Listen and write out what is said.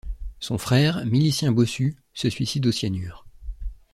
Son frère, milicien bossu, se suicide au cyanure.